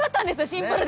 シンプルで。